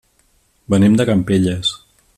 Venim de Campelles.